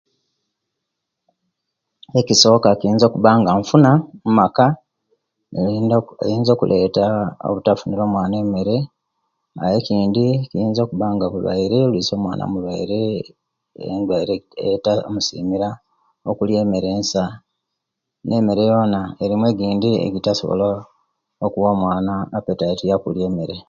Ekisoka kiyinza okubanga nfuna omumaka oyinza okuleta obutafunira omwana emere aye ekindi kiyinza okubanga buluwaire oluiso omwana muluwaire endwaire endwaire etamisimira okuliya emere ensa nemere yona erimu egindi egitawa omwana appetit eyokuliya emere